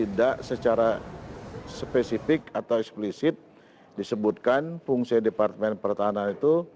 tidak secara spesifik atau eksplisit disebutkan fungsi departemen pertahanan itu